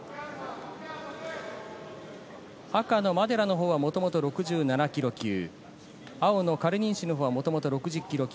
赤のマデラのほうはもともと６７ｋｇ級、青のカルニンシュのほうもともと６０ｋｇ級。